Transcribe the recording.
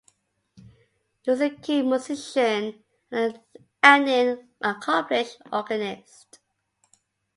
He was a keen musician and an accomplished organist.